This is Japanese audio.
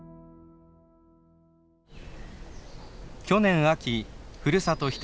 去年秋ふるさと